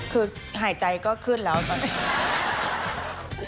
คือหายใจก็ขึ้นแล้วตอนนี้